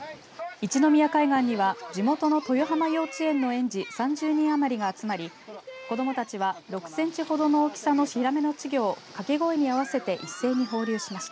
一の宮海岸には地元の豊浜幼稚園の園児３０人余りが集まり子どもたちは６センチほどの大きさのヒラメの稚魚を掛け声に合わせて一斉に放流しました。